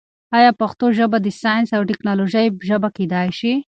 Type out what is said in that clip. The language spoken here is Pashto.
آیا پښتو ژبه د ساینس او ټیکنالوژۍ ژبه کېدای شي؟